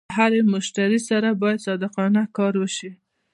له هر مشتري سره باید صادقانه کار وشي.